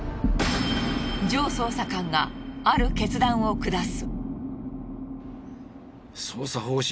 ジョー捜査官がある決断を下す。